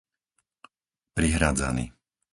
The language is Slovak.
Prihradzany